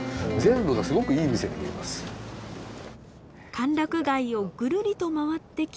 歓楽街をぐるりと回ってきて。